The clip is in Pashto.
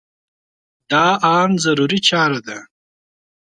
دا ان ضروري چاره ده.